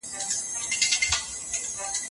ګډ سندرې د ژبې مهارت پراخوي.